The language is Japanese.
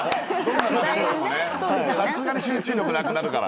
さすがに集中力なくなるから。